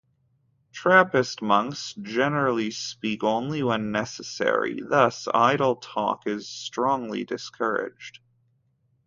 Trappist monks generally speak only when necessary; thus idle talk is strongly discouraged.